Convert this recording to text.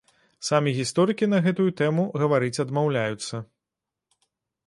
Самі гісторыкі на гэтую тэму гаварыць адмаўляюцца.